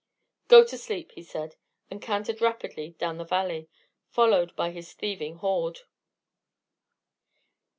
"Go to sleep," he said; and cantered rapidly down the valley, followed by his thieving horde.